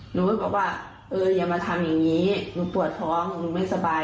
หนูก็บอกว่าเอออย่ามาทำอย่างนี้หนูปวดท้องหนูไม่สบาย